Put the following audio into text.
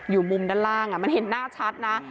อยู่มุมด้านล่างมันเห็นหน้าชัดนะ